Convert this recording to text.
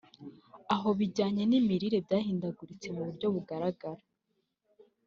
aho ibijyanye n’imirire byahindaguritse mu buryo bugaragara